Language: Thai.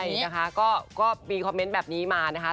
ใช่นะคะก็มีคอมเมนต์แบบนี้มานะคะ